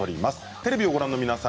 テレビをご覧の皆さん